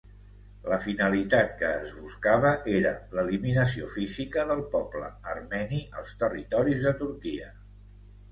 La finalitat que es buscava era l'eliminació física del poble armeni als territoris de Turquia.